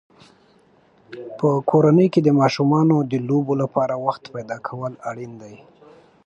په کورنۍ کې د ماشومانو د لوبو لپاره وخت پیدا کول اړین دي.